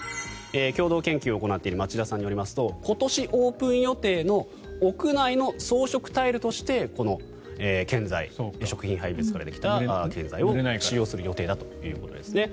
共同研究を行っている町田さんによりますと今年オープン予定の屋内の装飾タイルとして食品廃棄物からできた建材を使用する予定だということです。